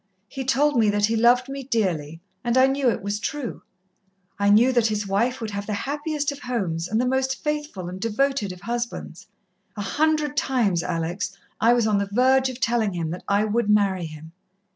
He told me that he loved me dearly and I knew it was true. I knew that his wife would have the happiest of homes and the most faithful and devoted of husbands. A hundred times, Alex, I was on the verge of telling him that I would marry him.